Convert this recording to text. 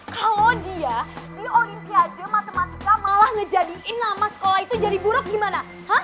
kalau dia nih olimpiade matematika malah ngejadiin nama sekolah itu jadi buruk gimana